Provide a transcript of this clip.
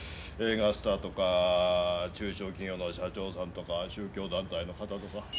映画スターとか中小企業の社長さんとか宗教団体の方とか。